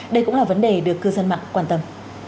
đây cũng là vấn đề được cư dân mạng quan tâm